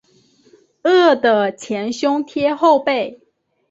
饿得前胸贴后背